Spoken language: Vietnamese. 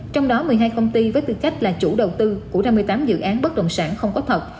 trong đó một mươi hai công ty với tư cách là chủ đầu tư của năm mươi tám dự án bất động sản không có thật